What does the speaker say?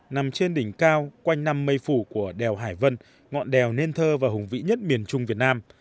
nằm trên đỉnh cao quanh năm mây phủ của đèo hải vân ngọn đèo nên thơ và hùng vĩ nhất miền trung việt nam